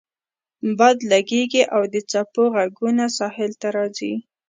باد لګیږي او د څپو غږونه ساحل ته راځي